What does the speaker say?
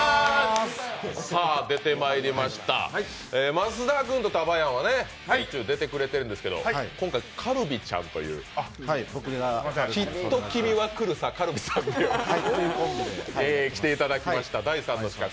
益田君とタバやんは一度出てきてくれてるんですけど、今回、カルビちゃんというきっと君は来るさ、カルビちゃんという来ていただきました、第三の刺客。